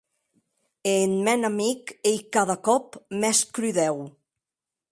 E eth mèn amic ei cada còp mès crudèu!